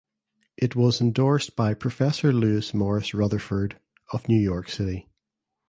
It was endorsed by professor Lewis Morris Rutherfurd of New York City.